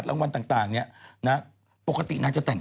เปล่าสิว่ะนาโหด้วย